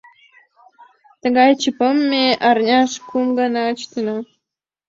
Тыгай ЧП-м ме арняш кум гана чытена.